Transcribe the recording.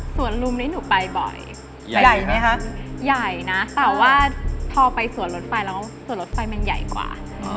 ส่วนลุมนี้หนูไปบ่อยใหญ่ไหมคะใหญ่นะแต่ว่าพอไปสวนรถไฟแล้วส่วนรถไฟมันใหญ่กว่า